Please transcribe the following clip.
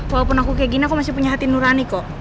walaupun aku kayak gini aku masih punya hati nurani kok